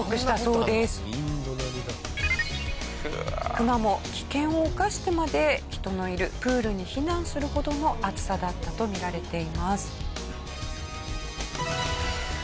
クマも危険を冒してまで人のいるプールに避難するほどの暑さだったとみられています。